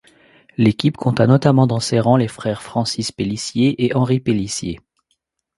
L'équipe compta notamment dans ses rangs les frères Francis Pélissier et Henri Pélissier.